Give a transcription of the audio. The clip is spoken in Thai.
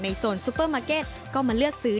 โซนซุปเปอร์มาร์เก็ตก็มาเลือกซื้อ